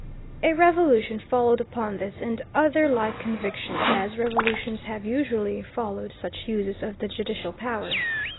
A revolution followed upon this and other like convictions, as revolutions have usually followed such uses of the judicial power.